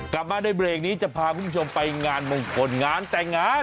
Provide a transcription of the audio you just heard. กลับมาในเบรกนี้จะพาคุณผู้ชมไปงานมงคลงานแต่งงาน